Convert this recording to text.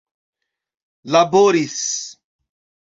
laboris